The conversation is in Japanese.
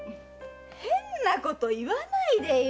変なこと言わないでよ！